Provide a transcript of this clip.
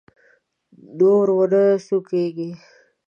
نور و نه سونګېږې!